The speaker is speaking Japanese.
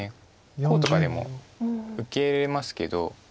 こうとかでも受けれますけど。